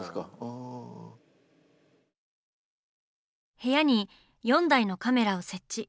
部屋に４台のカメラを設置。